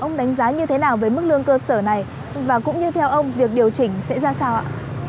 ông đánh giá như thế nào về mức lương cơ sở này và cũng như theo ông việc điều chỉnh sẽ ra sao ạ